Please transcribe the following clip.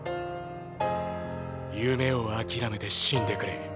夢を諦めて死んでくれ。